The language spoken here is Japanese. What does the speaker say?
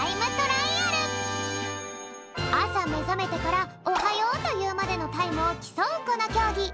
あさめざめてから「おはよう」というまでのタイムをきそうこのきょうぎ。